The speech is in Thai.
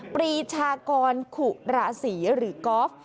ปรีชากรขุราศีหรือกอล์ฟ